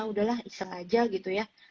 udahlah sengaja gitu ya